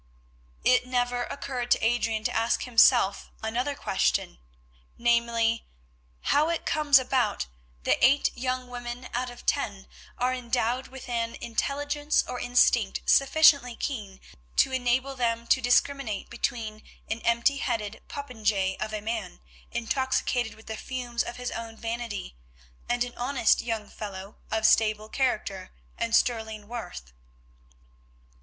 It never occurred to Adrian to ask himself another question, namely, how it comes about that eight young women out of ten are endowed with an intelligence or instinct sufficiently keen to enable them to discriminate between an empty headed popinjay of a man, intoxicated with the fumes of his own vanity, and an honest young fellow of stable character and sterling worth?